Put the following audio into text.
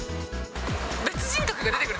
別人格が出てくる？